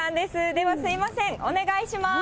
では、すみません、お願いします。